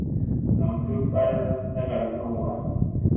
Nam tuɗ ɓal tagal ɗowba.